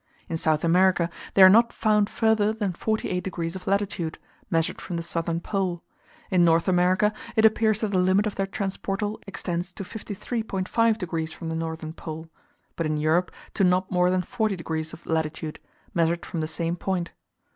In South America they are not found further than 48 degs. of latitude, measured from the southern pole; in North America it appears that the limit of their transportal extends to 53.5 degs. from the northern pole; but in Europe to not more than 40 degs. of latitude, measured from the same point.